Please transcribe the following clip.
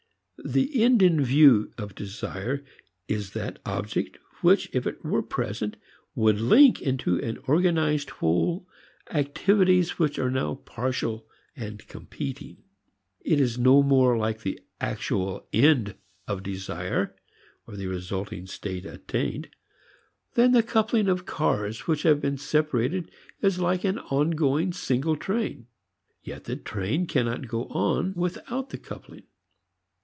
The end in view of desire is that object which were it present would link into an organized whole activities which are now partial and competing. It is no more like the actual end of desire, or the resulting state attained, than the coupling of cars which have been separated is like an ongoing single train. Yet the train cannot go on without the coupling.